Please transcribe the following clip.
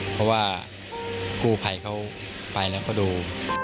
เพราะว่ากู้ภัยเขาไปแล้วเขาดู